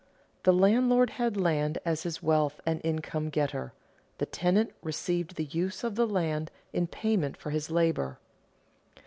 The landlord had land as his wealth and income getter; the tenant received the use of the land in payment for his labor.